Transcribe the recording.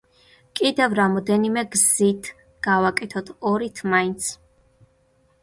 კიდევ რამოდენიმე გზით გავაკეთოთ, ორით მაინც.